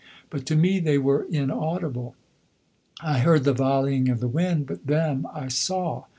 But to me they were inaudible. I heard the volleying of the wind, but them I saw.